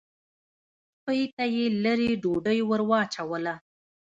سپۍ ته یې لېرې ډوډۍ ور واچوله.